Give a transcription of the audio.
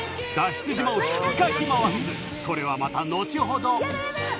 それはまた後ほど